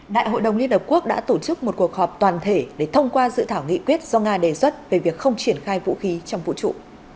đại hội đồng liên hợp quốc đã tổ chức một cuộc họp toàn thể để thông qua dự thảo nghị quyết do nga đề xuất về việc không triển khai vũ khí trong vũ trụ